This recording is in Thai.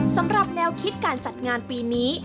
สำหรับแนวคิดการจัดงานปีนี้